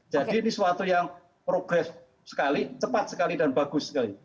jadi ini suatu yang progress sekali cepat sekali dan bagus sekali